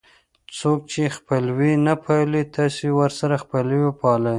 څوک چې خپلوي نه پالي تاسې ورسره خپلوي وپالئ.